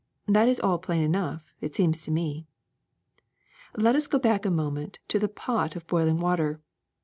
That is all plain enough, it seems tome. *'Let us go back a moment to the pot of boiling water.